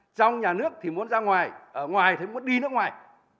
trong nhà nước thì muốn ra ngoài ở ngoài thì muốn đi nước ngoài